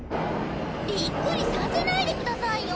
びっくりさせないで下さいよ！